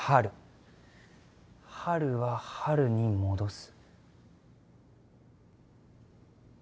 春は春に戻す。